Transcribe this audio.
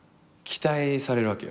期待されるわけよ。